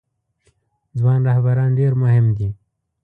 ځوان رهبران ډیر مهم دي